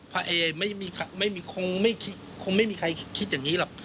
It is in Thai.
เอคงไม่มีใครคิดอย่างนี้หรอก